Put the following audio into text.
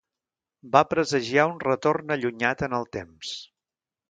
Va presagiar un retorn allunyat en el temps.